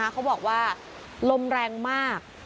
เขาบอกว่าลมแรงมาก